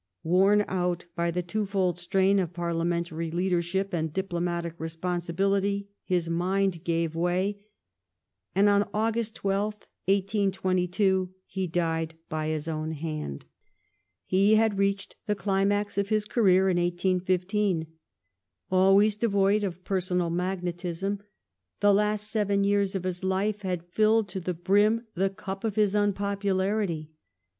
Worn out by the twofold strain Castle of parliamentary leadership and diplomatic responsibility, his mind gave way, and on August 12th, 1822, he died by his own hand. He had reached the climax of his career in 1815. Always devoid of personal magnetism, the last seven years of his life had filled to the brim the cup of his unpopularity.